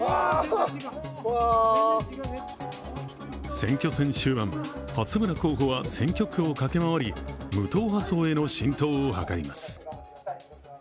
選挙戦終盤、初村候補は選挙区を駆け回り無党派層への浸透を図ります。